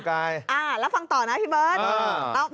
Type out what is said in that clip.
แล้วฟังต่อนะพี่เบิร์ต